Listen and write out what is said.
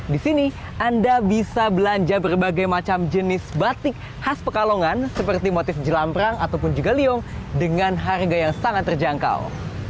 di sini anda bisa belanja berbagai macam jenis batik khas pekalongan seperti motif jelamrang ataupun juga liong dengan harga yang sangat terjangkau